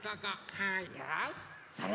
はい！